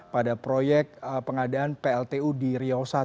pada proyek pengadaan pltu di riau i